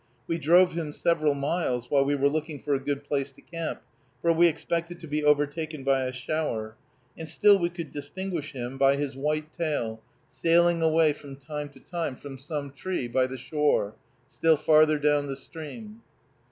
We drove him several miles, while we were looking for a good place to camp, for we expected to be overtaken by a shower, and still we could distinguish him by his white tail, sailing away from time to time from some tree by the shore still farther down the stream.